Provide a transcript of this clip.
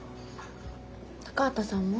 高畑さんも？